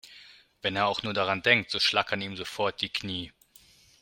Wenn er auch nur daran denkt, so schlackern ihm sofort die Knie.